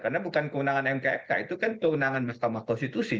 karena bukan keundangan mk mk itu kan keundangan bersama konstitusi